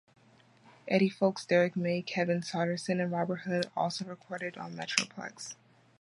Eddie Fowlkes, Derrick May, Kevin Saunderson, and Robert Hood also recorded on Metroplex.